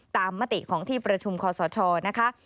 มติของที่ประชุมคอสชนะคะ